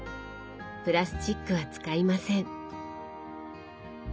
プラスチックは使いません。